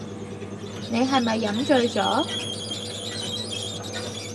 你係咪飲醉咗